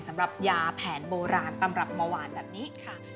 สำหรับยาแผนโบราณตำรับเมื่อวานแบบนี้ค่ะ